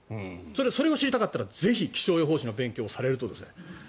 それを知りたかったら、ぜひ気象予報士の勉強をされると。